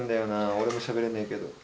俺もしゃべれねえけど。